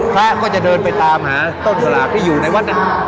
พระก็จะเดินไปตามหาต้นสลากที่อยู่ในวัด